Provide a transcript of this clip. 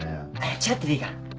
ちょっとでいいから。